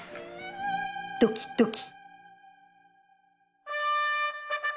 ドキドキ